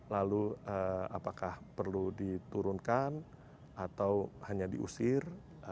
lalu apakah perlu diturunkan atau hanya diusir